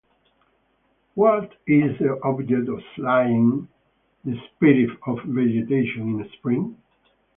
What is the object of slaying the spirit of vegetation in spring?